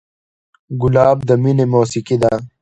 ګلاب د مینې موسیقي ده.